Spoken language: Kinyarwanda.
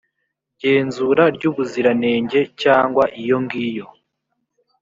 genzura ry ubuziranenge cyangwa iyongiyo